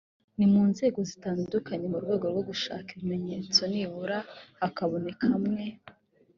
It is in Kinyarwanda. ni mu nzego zitandukanye mu rwego rwo gushaka ibimenyetso nibura hakaboneka amwe